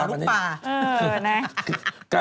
สวัสดีค่ะ